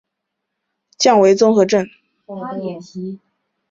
溶血性尿毒综合征和血小板数量下降综合征。